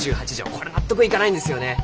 これ納得いかないんですよね。